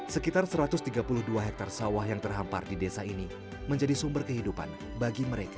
sekitar satu ratus tiga puluh dua hektare sawah yang terhampar di desa ini menjadi sumber kehidupan bagi mereka